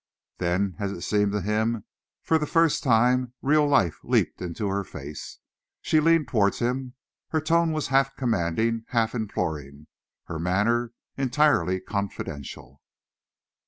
Then, as it seemed to him, for the first time real life leaped into her face. She leaned towards him. Her tone was half commanding, half imploring, her manner entirely confidential.